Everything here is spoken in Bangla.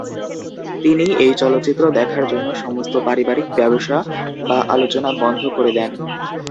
তিনি এই চলচ্চিত্র দেখার জন্য সমস্ত পারিবারিক ব্যবসা বা আলোচনা বন্ধ করে দেন।